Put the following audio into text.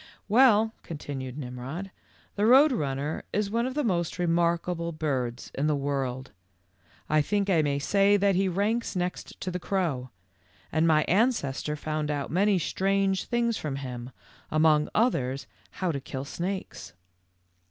* Well," continued Nimrod, "the Road Run ner is one of the most remarkable birds in the world. I think I may say that he ranks next to the crow, and my ancestor found out many strange things from him, among others how to kill snakes."